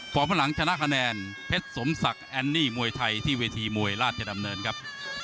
ข้างหลังชนะคะแนนเพชรสมศักดิ์แอนนี่มวยไทยที่เวทีมวยราชดำเนินครับ